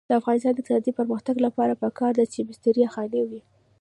د افغانستان د اقتصادي پرمختګ لپاره پکار ده چې مستري خانې وي.